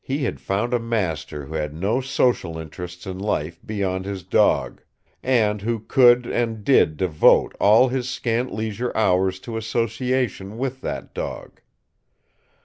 He had found a master who had no social interests in life beyond his dog, and who could and did devote all his scant leisure hours to association with that dog.